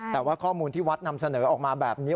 แต่ว่าข้อมูลที่วัดนำเสนอออกมาแบบนี้